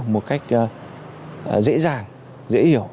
một cách dễ dàng dễ hiểu